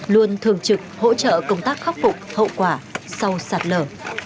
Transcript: luôn thường trực hỗ trợ công tác khắc phục hậu quả sau sạt lở